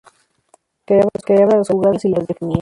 Creaba las jugadas y las definía.